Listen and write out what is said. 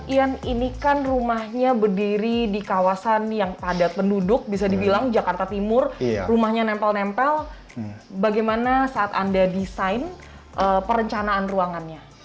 ian ini kan rumahnya berdiri di kawasan yang padat penduduk bisa dibilang jakarta timur rumahnya nempel nempel bagaimana saat anda desain perencanaan ruangannya